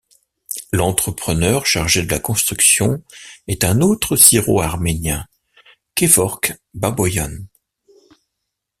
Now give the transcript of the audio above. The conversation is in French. L'entrepreneur chargé de la construction est un autre Syro-arménien, Kévork Baboyan.